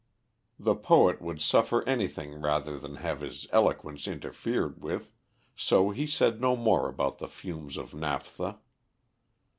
The poet would suffer anything rather than have his eloquence interfered with, so he said no more about the fumes of naphtha.